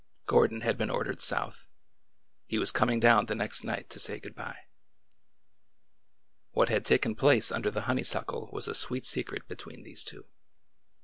Gordon had been ordered South. He was coming down the next night to say good by. What had taken place under the honeysuckle was a sweet secret between these two.